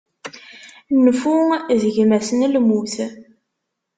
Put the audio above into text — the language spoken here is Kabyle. Nnfu, d gma-s n lmut.